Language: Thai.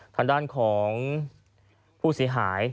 ทางด้านของผู้เสียหาย